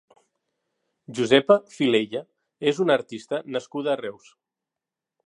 Josepa Filella és una artista nascuda a Reus.